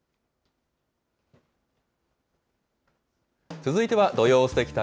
続いては土曜すてき旅。